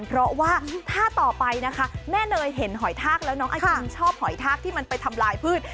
เพราะว่าท่าต่อไปนะคะแม่เนยเห็นหอยทากแล้วน้องอาคินชอบหอยทากที่มันไปทำลายพืช